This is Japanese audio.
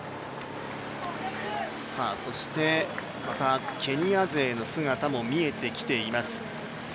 そして、ケニア勢の姿も見えてきています